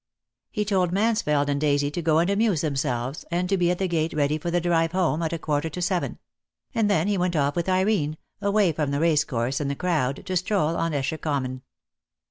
He told Mansfeld and Daisy to go and amuse themselves, and to be at the gate ready for the drive home, at a quarter to seven; and then he went off with Irene, away from the race course and the crowd, to stroll on Esher Common.